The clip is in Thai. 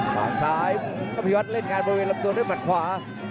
ขวางซ้ายอภิวัตรเล่นงานบริเวณลำตัวด้วยหมัดขวา